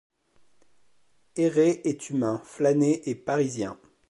Errer est humain, flâner est parisien.